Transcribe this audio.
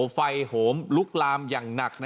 ไฟโหมลุกลามอย่างหนัก